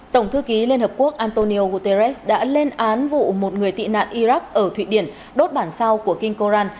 tổng thư ký liên hợp quốc antonio guterres đã lên án vụ một người tị nạn iraq ở thụy điển đốt bản sao của king koran